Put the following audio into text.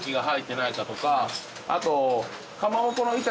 あと。